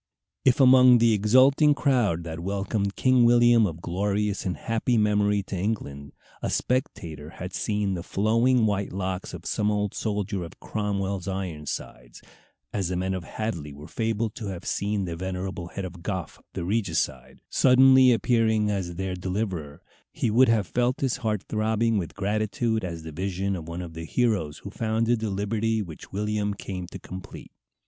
If, among the exulting crowd that welcomed King William of glorious and happy memory to England, a spectator had seen the flowing white locks of some old soldier of Cromwell's Ironsides, as the men of Hadley were fabled to have seen the venerable head of Goffe, the regicide, suddenly appearing as their deliverer, he would have felt his heart throbbing with gratitude at the vision of one of the heroes who founded the liberty which William came to complete.